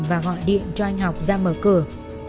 và gọi điện cho anh học ra mở cửa